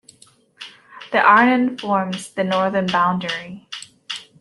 The Arnon forms the northern boundary.